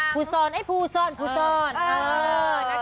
พูดทราบ